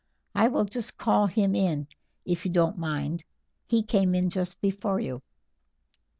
I will just call him in if you don't mind; he came in just before you."